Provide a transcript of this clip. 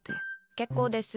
結構です！